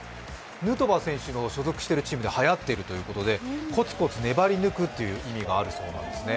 ヌートバー選手の所属しているチームではやっているということでコツコツ粘り抜くという意味があるそうなんですね。